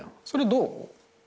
それどう？